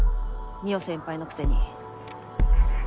望緒先輩のくせに。